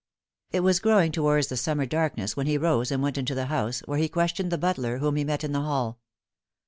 It was growing towards the summer darkness when he rose and went into the house, where he questioned the butler, whom he met in the hall.